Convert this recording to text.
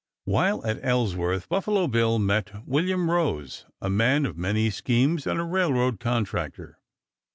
While at Ellsworth Buffalo Bill met William Rose, a man of many schemes and a railroad contractor.